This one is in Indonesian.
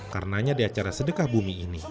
karenanya di acara sedekah bumi ini